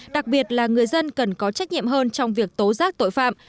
đặc biệt là người dân cần có trách nhiệm hơn trong việc tố giác tội phạm